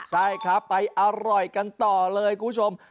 ใช่ครับไปอร่อยกันต่อเลยคุณผู้ชม